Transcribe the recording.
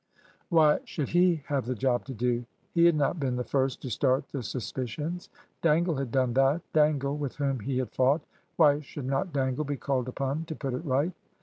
Why should he have the job to do? He had not been the first to start the suspicions. Dangle had done that Dangle, with whom he had fought. Why should not Dangle be called upon to put it right?